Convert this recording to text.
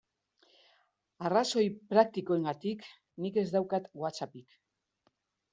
Arrazoi praktikoengatik nik ez daukat WhatsAppik.